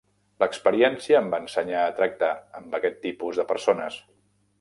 L'experiència em va ensenyar a tractar amb aquest tipus de persones.